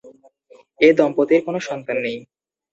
এ দম্পতির কোন সন্তান নেই।